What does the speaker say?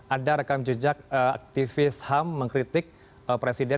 ada rekam jejak aktivis ham mengkritik presiden